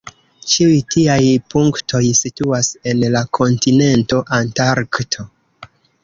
Ĉiuj tiaj punktoj situas en la kontinento Antarkto.